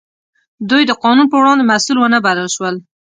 دوی د قانون په وړاندې مسوول ونه بلل شول.